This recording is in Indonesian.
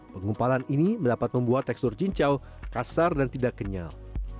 pengumpalan ini dapat membuat tekstur cincau kasar dan tidak kenyal